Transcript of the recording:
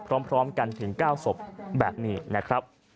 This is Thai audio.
พร้อมกันถึง๙ศพแบบนี้นะครับ